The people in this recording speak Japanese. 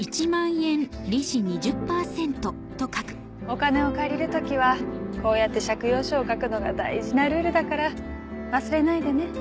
お金を借りる時はこうやって借用書を書くのが大事なルールだから忘れないでね。